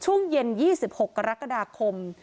ช่วงเย็นยี่สิบหกกรกฎาคม